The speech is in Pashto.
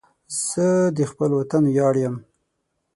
زه د خپل وطن ویاړ یم